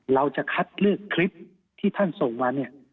เราจะคัดเลือกคลิปที่ท่านส่งมาเนี่ย